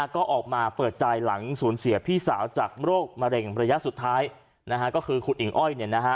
ก็ออกมาเปิดใจหลังสูญเสียพี่สาวจากโรคมะเร็งระยะสุดท้ายก็คือคุณอิ่งอ้อย